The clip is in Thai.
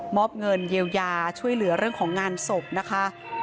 อบเงินเยียวยาช่วยเหลือเรื่องของงานศพนะคะ